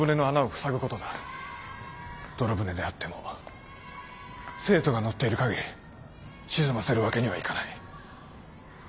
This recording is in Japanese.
泥船であっても生徒が乗っている限り沈ませる訳にはいかない。